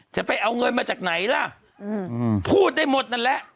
จะเอาเงินมาจากไหนล่ะพูดได้หมดนั่นแหละ